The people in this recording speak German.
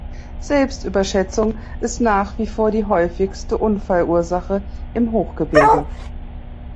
Selbstüberschätzung ist nach wie vor die häufigste Unfallursache im Hochgebirge.